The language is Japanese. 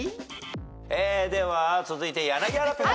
では続いて柳原ペア。